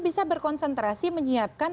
bisa berkonsentrasi menyiapkan